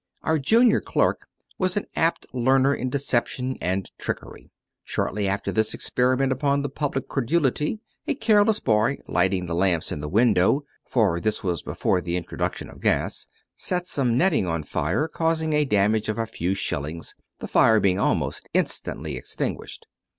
Our junior clerk was an apt learner in deception and trickery. Shortly after this experiment upon the public credulity, a careless boy lighting the lamps in the window (for this was before the introduction of gas) set some netting on fire, causing a damage of a few shillings, the fire being almost instantly extinguished.